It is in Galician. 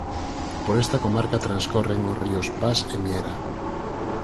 Por esta comarca transcorren os ríos Pas e Miera.